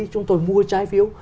chúng tôi mua trái phiếu